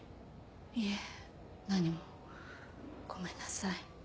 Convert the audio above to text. いえ何もごめんなさい。